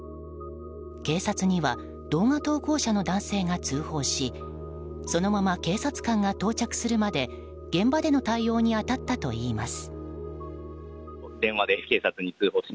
警察には動画投稿者の男性が通報しそのまま警察官が到着するまで現場での対応に当たったといいます。